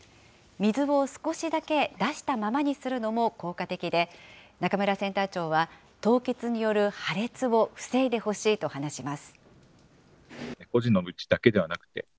水を少しだけ出したままにするのも効果的で、中村センター長は、凍結による破裂を防いでほしいと話します。